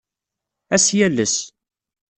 Ad as-yales.